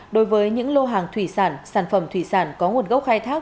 đối với những lô hàng thủy sản sản phẩm thủy sản có nguồn gốc khai thác